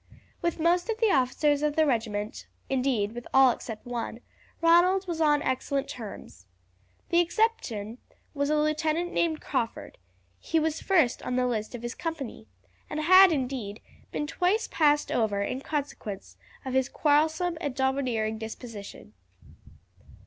With most of the officers of the regiment, indeed with all except one, Ronald was on excellent terms. The exception was a lieutenant named Crawford; he was first on the list of his company, and had, indeed, been twice passed over in consequence of his quarrelsome and domineering disposition.